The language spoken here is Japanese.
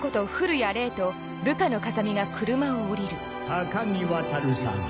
高木渉さん